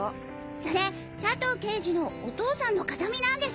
それ佐藤刑事のお父さんの形見なんでしょ？